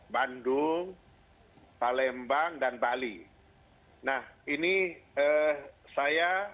bandung palembang dan bali nah ini saya